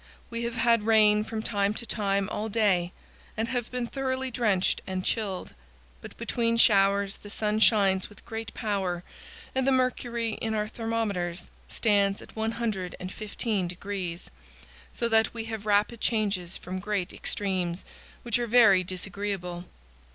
We have had rain from time to time all day, and have been thoroughly drenched and chilled; but between showers the sun shines with great power and the mercury in our thermometers stands at 115 degrees, so that we have rapid changes from great extremes, which are very disagreeable.